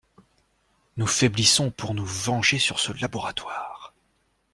Nous faiblissons pour nous venger sur ce laboratoire.